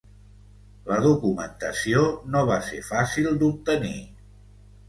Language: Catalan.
La documentació no va ser fàcil d'obtenir.